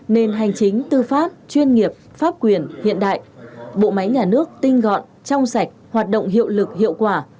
nền hành chính tư pháp chuyên nghiệp pháp quyền hiện đại bộ máy nhà nước tinh gọn trong sạch hoạt động hiệu lực hiệu quả